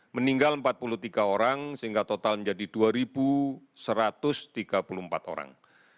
meninggal empat puluh tiga orang sehingga total menjadi dua satu ratus tiga puluh empat orang